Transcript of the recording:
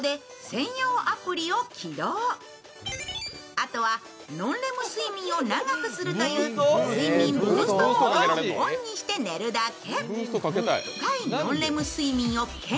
あとはノンレム睡眠を長くするという、睡眠ブーストモードをオンにして寝るだけ。